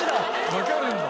わかるんだ。